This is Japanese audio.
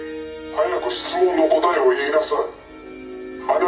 早く質問の答えを言いなサイ。